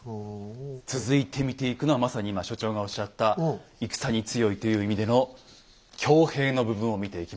続いて見ていくのはまさに今所長がおっしゃった「戦に強い」という意味での「強兵」の部分を見ていきましょうはい。